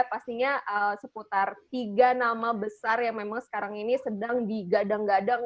pastinya seputar tiga nama besar yang memang sekarang ini sedang digadang gadang